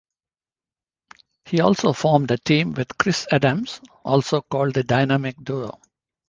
He also formed a team with Chris Adams, also called the "Dynamic Duo".